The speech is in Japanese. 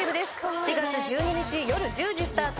７月１２日夜１０時スタート。